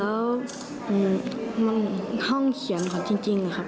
แล้วมันห้องเขียนของจริงครับ